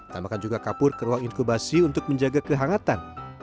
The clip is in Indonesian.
tambahkan juga kapur ke ruang inkubasi untuk menjaga kehangatan